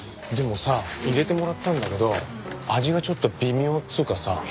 でもさ入れてもらったんだけど味がちょっと微妙っつうかさ。